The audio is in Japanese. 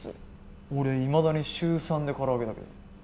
俺はいまだに週３で空揚げだけど。